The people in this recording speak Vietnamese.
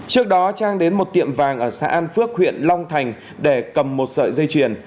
trước đó trang đến một tiệm vàng ở xã an phước huyện long thành để cầm một sợi dây chuyền